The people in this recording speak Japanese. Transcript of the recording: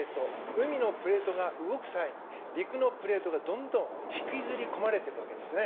海のプレートが動く際に陸のプレートがどんどん引きずり込まれていくわけですね。